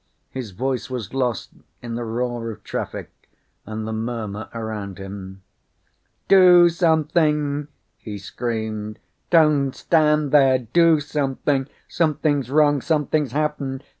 His voice was lost in the roar of traffic and the murmur around him. "Do something!" he screamed. "Don't stand there! Do something! Something's wrong! Something's happened!